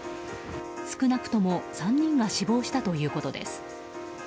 少なくとも３人が死亡したということです。